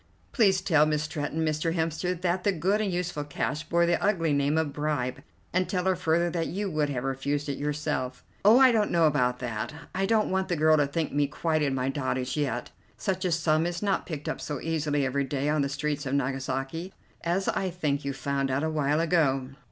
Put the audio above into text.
"Please tell Miss Stretton, Mr. Hemster, that the good and useful cash bore the ugly name of bribe, and tell her further that you would have refused it yourself." "Oh, I don't know about that. I don't want the girl to think me quite in my dotage yet. Such a sum is not picked up so easily every day on the streets of Nagasaki, as I think you found out a while ago."